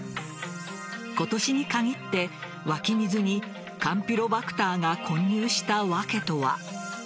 今年に限って、湧き水にカンピロバクターが混入した訳とは。